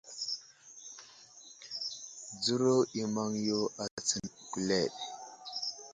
Dzəro i maŋ yo a tsəŋ kuleɗ.